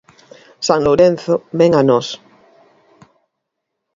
San Lourenzo ven a nós.